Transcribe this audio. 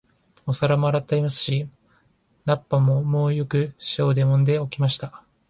お皿も洗ってありますし、菜っ葉ももうよく塩でもんで置きました